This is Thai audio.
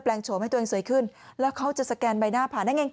โฉมให้ตัวเองสวยขึ้นแล้วเขาจะสแกนใบหน้าผ่านได้ไง